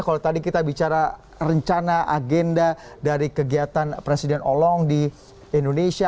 kalau tadi kita bicara rencana agenda dari kegiatan presiden olong di indonesia